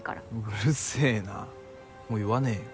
うるせぇなもう言わねぇよ。